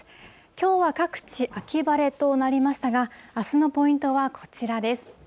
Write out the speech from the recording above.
きょうは各地、秋晴れとなりましたが、あすのポイントはこちらです。